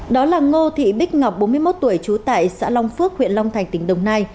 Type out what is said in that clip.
đó là ngô thị bích ngọc bốn mươi một tuổi trú tại xã long phước huyện long thành tỉnh đồng nai